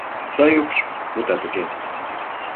Сай упш, мутат уке.